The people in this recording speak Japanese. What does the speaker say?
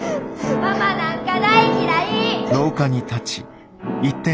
ママなんか大嫌い！